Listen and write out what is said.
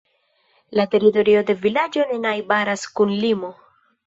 La teritorio de vilaĝo ne najbaras kun limo.